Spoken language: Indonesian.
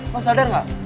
lo sadar gak